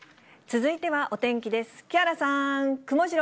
続いてはお天気です。